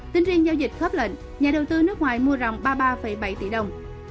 tính riêng giao dịch khớp lệnh nhà đầu tư nước ngoài mua rồng ba mươi ba bảy tỷ đồng